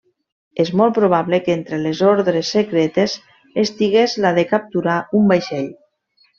És molt probable que entre les ordres secretes estigués la de capturar un vaixell.